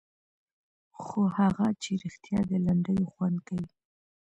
خو هغه چې رښتیا د لنډیو خوند کوي.